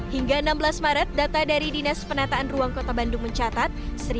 hingga enam belas maret data dari dinas penataan ruang kota bandung mencatat